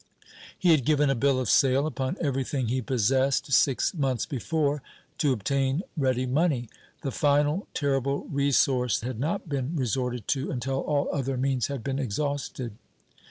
He had given a bill of sale upon everything he possessed six months before, to obtain ready money. The final terrible resource had not been resorted to until all other means had been exhausted.